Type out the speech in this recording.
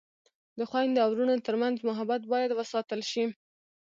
د خویندو او ورونو ترمنځ محبت باید وساتل شي.